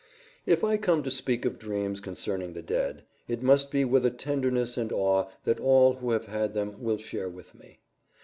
VII If I come to speak of dreams concerning the dead, it must be with a tenderness and awe that all who have had them will share with me.